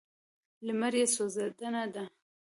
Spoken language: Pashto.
لمر یې سوځنده دی.